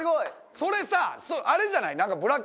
それさあれじゃない？